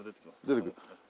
出てくる。